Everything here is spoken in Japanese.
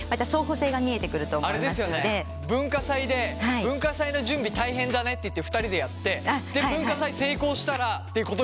文化祭で文化祭の準備大変だねって言って２人でやって文化祭成功したらっていうことですよね？